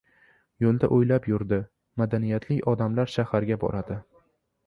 Yo‘lda o‘ylab yurdi: "Madaniyatli odamlar shaharga boradi.